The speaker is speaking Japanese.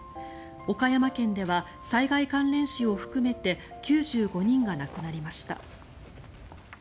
岡山県では災害関連死を含めて９５人が亡くなりました。